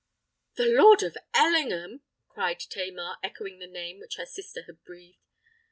"The Earl of Ellingham!" cried Tamar, echoing the name which her sister had breathed.